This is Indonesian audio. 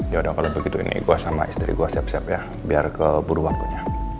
yaudah kalau begitu ini gue sama istri gue siap siap ya biar keburu waktunya